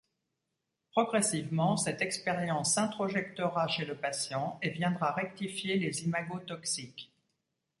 Progressivement cette expérience s'introjectera chez le patient et viendra rectifier les imagos toxiques.